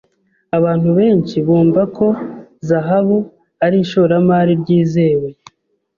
Abantu benshi bumva ko zahabu ari ishoramari ryizewe.